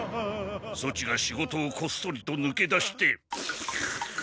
そちが仕事をこっそりとぬけ出して。